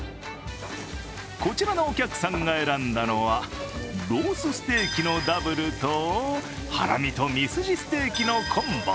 こちらのお客さんが選んだのはロースステーキのダブルとハラミとミスジステーキのコンボ。